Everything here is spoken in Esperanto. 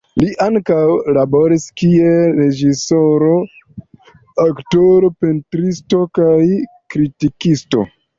Li ankaŭ laboris kiel reĝisoro, aktoro, pentristo kaj kritikisto.